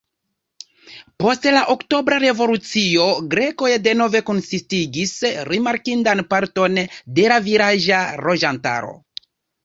Post la Oktobra revolucio grekoj denove konsistigis rimarkindan parton de la vilaĝa loĝantaro.